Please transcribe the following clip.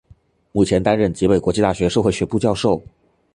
目前担任吉备国际大学社会学部教授。